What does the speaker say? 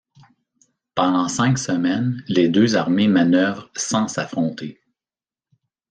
Pendant cinq semaines, les deux armées manœuvrent sans s'affronter.